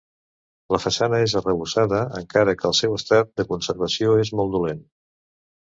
La façana és arrebossada, encara que el seu estat de conservació és molt dolent.